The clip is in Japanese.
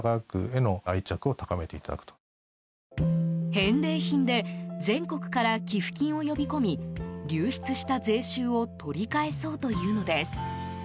返礼品で全国から寄付金を呼び込み流出した税収を取り返そうというのです。